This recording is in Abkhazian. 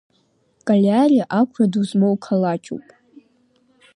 Калиари ақәра ду змоу қалақьуп.